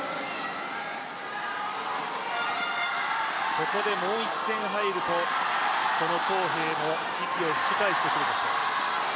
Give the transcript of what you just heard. ここでもう１点入ると黄東萍も息を吹き返してくるでしょう。